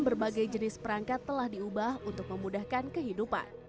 berbagai jenis perangkat telah diubah untuk memudahkan kehidupan